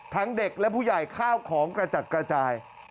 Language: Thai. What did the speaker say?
เด็กและผู้ใหญ่ข้าวของกระจัดกระจาย